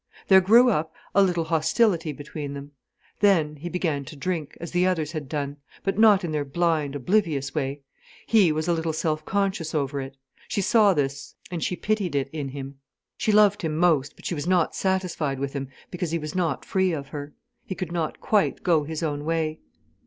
There grew up a little hostility between them. Then he began to drink, as the others had done; but not in their blind, oblivious way. He was a little self conscious over it. She saw this, and she pitied it in him. She loved him most, but she was not satisfied with him because he was not free of her. He could not quite go his own way.